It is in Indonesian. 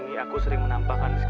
dasar kerbau bandel